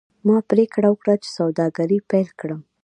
ما پریکړه وکړه چې سوداګري پیل کړم.